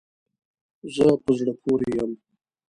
زه په زړه پوری یم